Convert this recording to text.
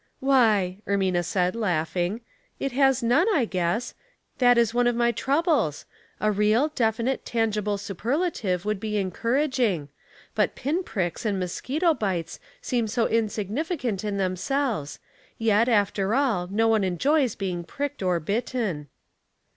"'' Why," Ermina said, laughing, " it has none, I guess. That is one of my troubles. A real, definite, tangible superlative would be encourag ing ; but pin pricks and mosquito bites seem so insignificant in themselves; yet, after all, no one enjoys being pricked or bitten."